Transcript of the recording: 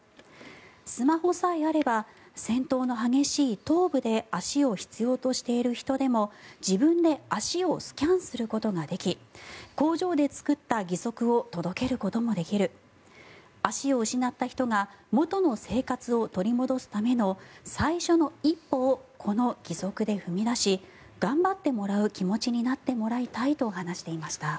スマホさえあれば戦闘の激しい東部で足を必要としている人でも自分で足をスキャンすることができ工場で作った義足を届けることもできる足を失った人が元の生活を取り戻すための最初の一歩をこの義足で踏み出し頑張ってもらう気持ちになってもらいたいと話していました。